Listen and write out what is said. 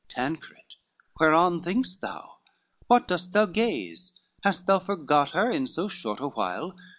Tancred, whereon think'st thou? what dost thou gaze? Hast thou forgot her in so short a while?